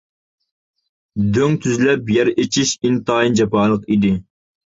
دۆڭ تۈزلەپ يەر ئېچىش ئىنتايىن جاپالىق ئىدى.